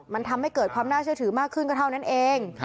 มันทำให้เกิดความน่าเชื่อถือมากขึ้นก็เท่านั้นเอง